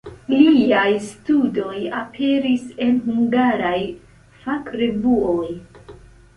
Liaj studoj aperis en hungaraj fakrevuoj.